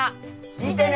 見てね！